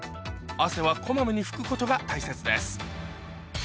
汗は小まめに拭くことが大切です